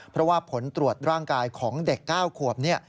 เพราะว่าผลตรวจร่างกายของเด็ก๙ขวบเนี่ย